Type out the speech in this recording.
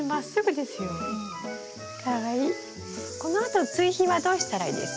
このあと追肥はどうしたらいいですか？